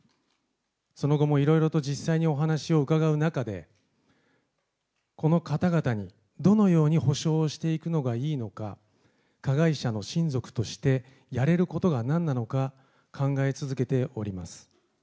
その後もいろいろと実際にお話を伺う中で、この方々にどのように補償をしていくのがいいのか、加害者の親族としてやれることはなんなのか考え続けております。